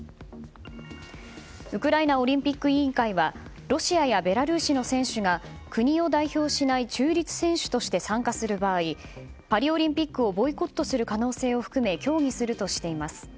ウクライナオリンピック委員会はロシアやベラルーシの選手が国を代表しない中立選手として参加する場合パリオリンピックをボイコットする可能性を含め協議するとしています。